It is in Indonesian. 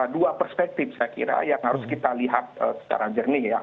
dua perspektif saya kira yang harus kita lihat secara jernih ya